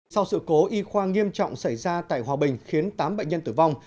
sau sự cố y khoa nghiêm trọng xảy ra tại hòa bình khiến tám bệnh nhân tử vong